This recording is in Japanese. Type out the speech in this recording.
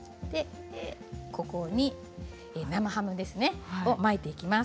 ここに生ハムを巻いていきます。